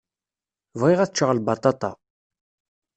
Bɣiɣ ad ččeɣ lbaṭaṭa.